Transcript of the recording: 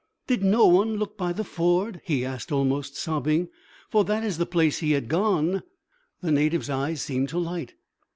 "Did no one look by the ford?" he asked, almost sobbing. "For that is the place he had gone." The native's eyes seemed to light.